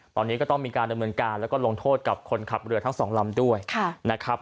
ตอนนี้ก็ต้องมีการดำเนินการแล้วก็ลงโทษกับคนขับเรือทั้งสองลำด้วยนะครับ